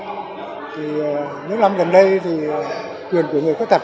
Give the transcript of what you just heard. thì nước nam gần đây thì quyền của người khuyết tật